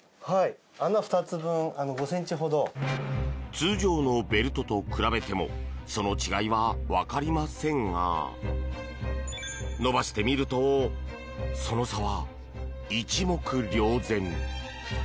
通常のベルトと並べてもその違いは分かりませんが伸ばしてみるとその差は一目瞭然！